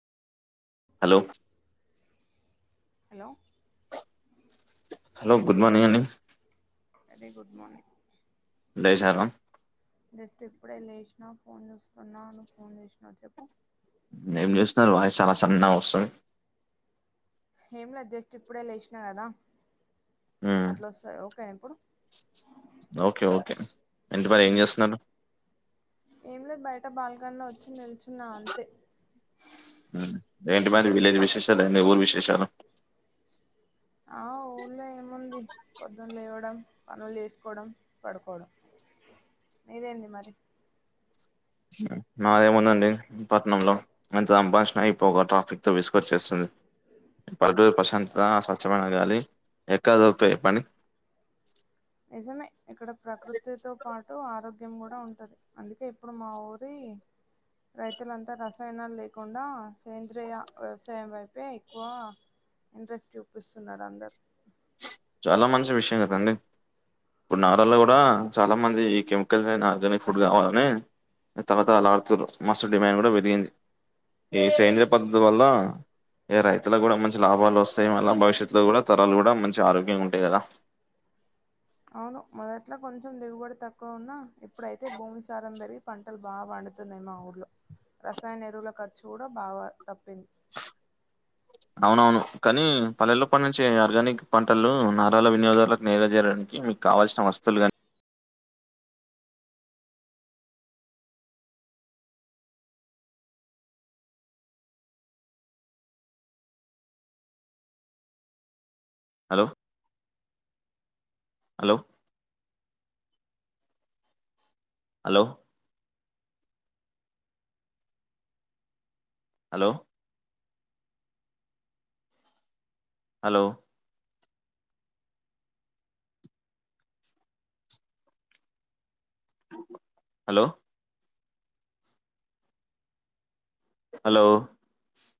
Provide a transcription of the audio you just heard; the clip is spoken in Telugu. Hello hello hello good morning అండి వెరీ గుడ్ మార్నింగ్ లేశారా జస్ట్ ఇప్పుడే లేసినా ఫోన్ చూస్తున్నావు నువ్వు ఫోన్ చేసినావు చెప్పు ఏం చేసిన్నారు వాయిస్ చాలా సన్నగా వస్తుంది ఏం లేదు జెస్ట్ ఇప్పుడే లేసిన కదా ఉమ్ అట్లా వస్తది ఓకేనా ఇప్పుడు ఓకే ఓకే ఏంటి మరి ఏం ఉమ్. చేస్తున్నారూ అట బాల్కనీ లో వచ్చి నిల్చున్నా అంతే ఉమ్ ఎంటి మరి వీలేేజ్ విశేషాలు ఏంది ఊరు విశేషాలు ఆ ఊళ్ళో ఏముంది పొద్దున్ లేవడం పనులు చేసుకోవడం పడుకోవడం నీదేంది మరి ఉమ్ మాదేముందండి పట్నంలో మంచిగా సంపాదించుకొని ఈ పొగ ట్రాఫిక్ తో విసుకొచ్చేస్తుంది పల్లెటూరు ప్రశాంత స్వచ్ఛమైన గాలి ఎక్కడా దొరుతాయి చోపండి నిజమే ఇక్కడ ప్రకృతితో పాటు ఆరోగ్ గ్యం కూడా ఉంటుంది అందుకే ఇప్పుడు మా ఊరి రైతులంతా రసాయనాలు లేకుండా సేంద్రియ వ్యవసాయం వైపే ఎక్కువ ఇంట్రెస్ట్ చూపిస్తున్నారు అందరు చాలా మంచి విషయం కదండి ఇప్పుడు నగరాల్లో కూడా చాలా మంది ఈ కెమికల్స్ లేని ఆర్గానిక్ ఫుడ్ కావాలని తహలహలాడుతురు మస్తు డిమాండ్ కూడా పెరిగింది ఈ సేంద్రయ పద్ధతి వల్ల ఏ రైతులకు కూడా మంచి లాభాలు వస్తాయి మళ్ళ భవిష్యత్తు లో కూడా తరాలు కూడా మంచి ఆరోగ్ గ్యం ఉంటాయి కదా అవును మొదట్లో కొంచెం దిగుబడి తక్కువ ఉన్నా ఇప్పుడైతే భూమి సారం పెరిగి పంటలు బా పండ్ పడుతున్నాయి మా ఊర్లో రసాయన ఎరువుల ఖర్చు కూడా బాగా తప్పింది అవునవును కానీ పల్లెల్లో పండించే ఆర్గానిక్ పంటలూ నగరాల వినియోగదారులకు నేరుగా చేరడానికి. మీక్ కావాల్సిన వస్తువులు గాని hello hello hello hello hello hello hello